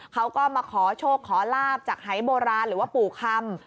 เขาก็มาขอโชคขอลาบจากหายโบราณหรือว่าปู่คำ